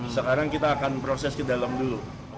sekarang kita akan proses ke dalam dulu